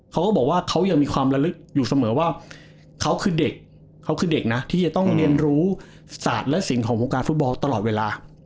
เขาก็บอกว่าเขายังมีความระลึกอยู่เสมอว่าเขาคือเด็กเขาคือเด็กนะที่จะต้องเรียนรู้ศาสตร์และสิ่งของวงการฟุตบอลตลอดเวลา